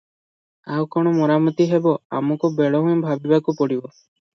ଆଉ କଣ ମରାମତି ହେବ ଆମକୁ ବେଳ ହୁଁ ଭାବିବାକୁ ପଡ଼ିବ ।